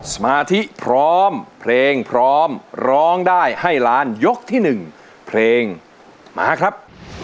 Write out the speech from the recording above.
สมาธิพร้อมเพลงพร้อมร้องได้ให้ล้านยกที่๑เพลงมาครับ